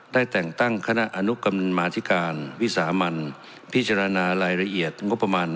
ได้แต่งตั้งคณะอนุกรรมาธิการวิสามันพิจารณารายละเอียดงบประมาณ